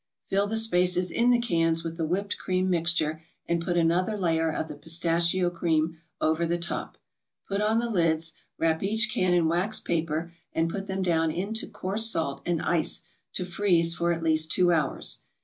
Fill the spaces in the cans with the whipped cream mixture, and put another layer of the pistachio cream over the top. Put on the lids, wrap each can in waxed paper, and put them down into coarse salt and ice, to freeze for at least two hours.